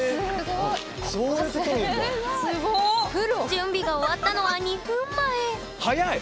準備が終わったのは２分前早い！